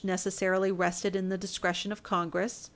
449 necessarily rested in the discretion of Congress.